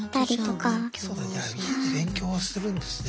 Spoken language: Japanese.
勉強はするんですね。